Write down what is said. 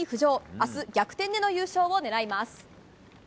明日、逆転での優勝を狙います。